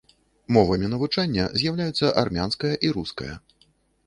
Мовамі навучання з'яўляюцца армянская і руская.